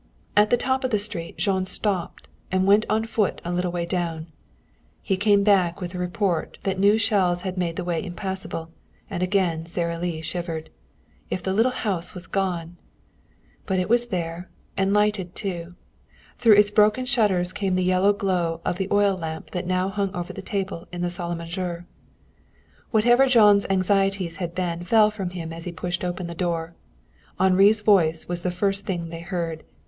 At the top of the street Jean stopped and went on foot a little way down. He came back, with the report that new shells had made the way impassable; and again Sara Lee shivered. If the little house was gone! But it was there, and lighted too. Through its broken shutters came the yellow glow of the oil lamp that now hung over the table in the salle à manger. Whatever Jean's anxieties had been fell from him as he pushed open the door. Henri's voice was the first thing they heard.